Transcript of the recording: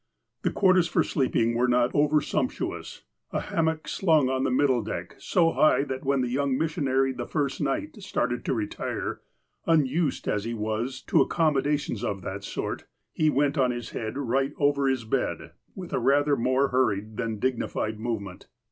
The quarters for sleeping were not over sumptuous. A hammock slung on the middle deck, so high that when the young missionary the first night started to retire, un used as he was to accommodations of that sort, he went on his head right over his bed, with a rather more hurried than dignified movement.